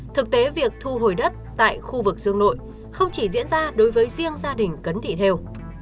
thực tế việc thu hồi đất tại khu vực dương nội không chỉ diễn ra đối với riêng gia đình cấn thị theo